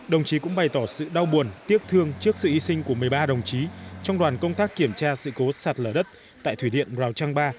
đồng chí cũng bày tỏ sự đau buồn tiếc thương trước sự hy sinh của một mươi ba đồng chí trong đoàn công tác kiểm tra sự cố sạt lở đất tại thủy điện rào trăng ba